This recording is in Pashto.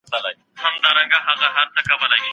د ملاقات سره سم مستحب عمل دادی.